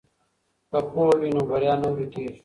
که پوهه وي نو بریا نه ورکیږي.